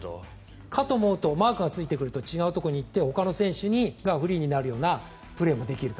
かと思うとマークがついてくると違うところに行って違う選手がフリーになるプレーができると。